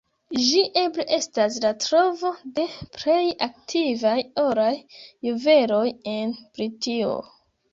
Ĝi eble estas la trovo de plej antikvaj oraj juveloj en Britio.